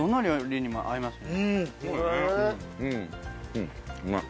うんうまい。